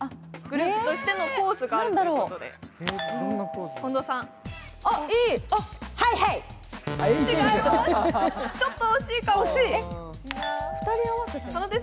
グループとしてのポーズがあるということで。